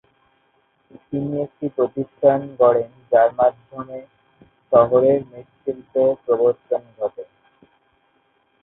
তিনি একটি প্রতিষ্ঠান গড়েন যার মাধ্যমে শহরে মৃৎশিল্পের প্রবর্তন ঘটে।